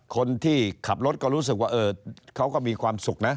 คนที่ขับรถก็รู้สึกว่าเขาก็มีความสุขนะ